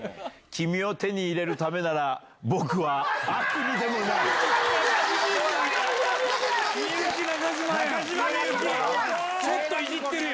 君を手に入れるためなら、僕は悪にでもなる。